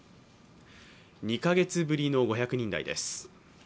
２カ月ぶりの５００人台です。